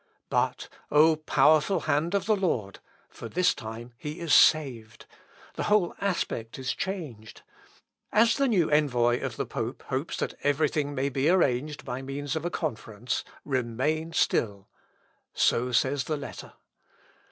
But, O powerful hand of the Lord! for this time he is saved. The whole aspect is changed. "As the new envoy of the pope hopes that every thing may be arranged by means of a conference, remain still." So says the letter.